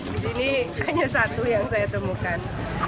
di sini hanya satu yang saya temukan